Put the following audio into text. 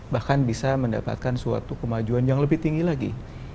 bahkan bisa mendapatkan suatu kemajuan yang lebih tinggi lagi